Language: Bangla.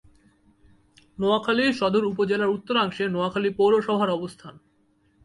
নোয়াখালী সদর উপজেলার উত্তরাংশে নোয়াখালী পৌরসভার অবস্থান।